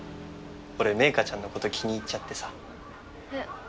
俺明花ちゃんのこと気に入っちゃってさえっ？